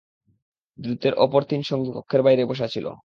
দূতের অপর তিন সঙ্গী কক্ষের বাইরে বসা ছিল।